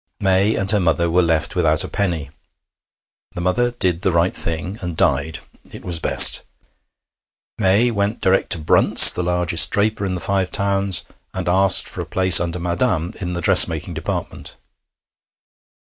May and her mother were left without a penny. The mother did the right thing, and died it was best. May went direct to Brunt's, the largest draper in the Five Towns, and asked for a place under 'Madame' in the dress making department.